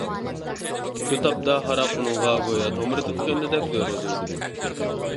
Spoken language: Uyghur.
شۇ تاپتا ھاراق ئۇنىڭغا گويا تومۇرىدىكى قېنىدەك زۆرۈر ئىدى.